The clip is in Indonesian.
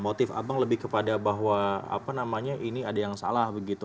motif abang lebih kepada bahwa ini ada yang salah